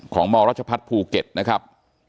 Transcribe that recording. ของมรพูเก็ตนะครับ